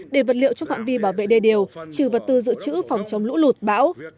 để vật liệu trong phạm vi bảo vệ đê điều trừ vật tư dự trữ phòng chống lũ lụt bão